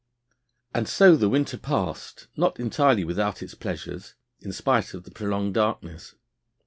And so the winter passed, not entirely without its pleasures, in spite of the prolonged darkness.